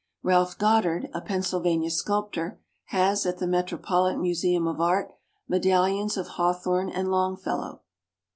Ralph Goddard, a Pennsyl vania sculptor, has at the Metropolitan Museum of Art medallions of Haw thorne and Longfellow.